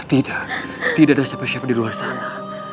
tidak tidak ada siapa siapa di luar sana